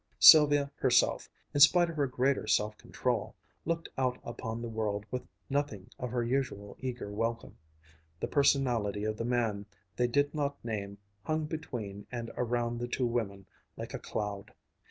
Sylvia herself, in spite of her greater self control, looked out upon the world with nothing of her usual eager welcome. The personality of the man they did not name hung between and around the two women like a cloud.